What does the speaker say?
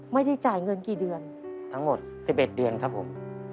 ไม่ได้จ่ายเงินกี่เดือนทั้งหมด๑๑เดือนครับผม